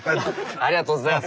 ありがとうございます。